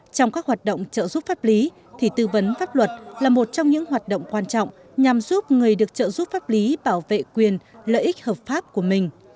trong các hoạt động trợ giúp pháp lý thì tư vấn pháp luật là một trong những hoạt động quan trọng nhằm giúp người được trợ giúp pháp lý bảo vệ quyền lợi ích hợp pháp của mình